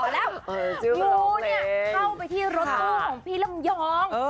แล้วงูเนี่ยเข้าไปที่รถตู้ของพี่ลำยอง